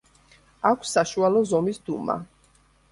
აქვს საშუალო ზომის დუმა.